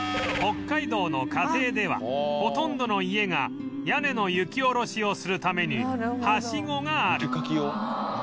北海道の家庭ではほとんどの家が屋根の雪下ろしをするためにはしごがある